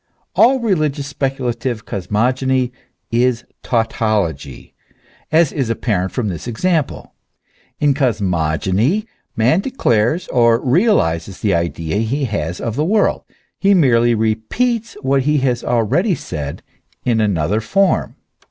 All religious speculative cosmogony is tautology, as is apparent from this example. In cosmogony man declares or realizes the idea he has of the world ; he merely repeats what he has already said in another form.